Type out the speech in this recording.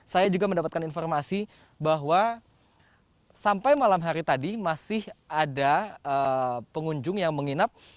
saya juga mendapatkan informasi bahwa sampai malam hari tadi masih ada pengunjung yang menginap